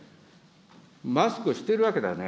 マスクしてるわけだよね。